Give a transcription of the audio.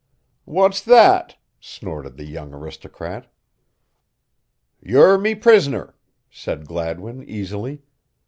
"What's that?" snorted the young aristocrat. "You're me pris'ner," said Gladwin, easily.